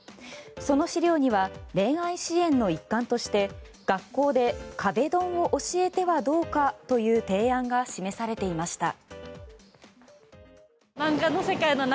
その資料には恋愛支援の一環として学校で壁ドンを教えてはどうかという提案が示されていました。